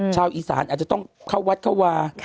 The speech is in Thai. ชาวอีสานอาจจะต้องเข้าวัดเข้าวา